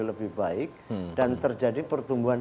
lebih baik dan terjadi pertumbuhan